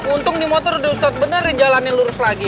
untung di motor ustadz benerin jalanin lurus lagi